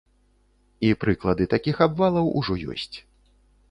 І прыклады такіх абвалаў ужо ёсць.